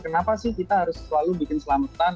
kenapa sih kita harus selalu bikin selamatan